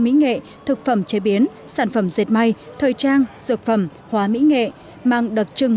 mỹ nghệ thực phẩm chế biến sản phẩm dệt may thời trang dược phẩm hóa mỹ nghệ mang đặc trưng